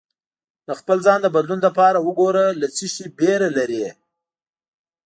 د خپل ځان د بدلون لپاره وګره له څه شي ویره لرې